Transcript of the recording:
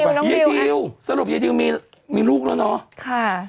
แพพสรุปเยดีวมีลูกแล้วเนาะ